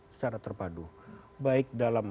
secara terpadu baik dalam